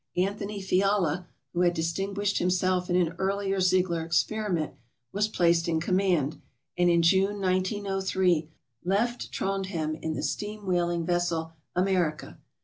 Anthony Fiala, who had distinguished himself in an earlier Ziegler experiment, was placed in command, and in June, 1903, left Trondhjem in the steam whaling vessel "America."